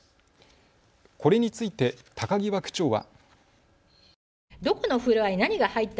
これについて高際区長は。